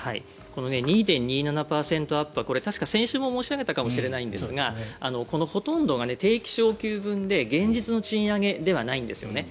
この２．２７％アップは確か先週も申し上げたかもしれないんですがこのほとんどが定期昇給分で現実の賃上げではないんですね。